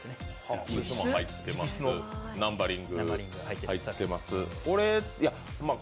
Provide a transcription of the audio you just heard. ナンバリング入ってますよね。